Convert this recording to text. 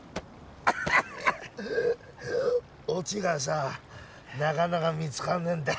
オチがさなかなか見つかんねえんだ。